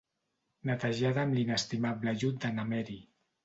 Netejada amb l'inestimable ajut de na Meri.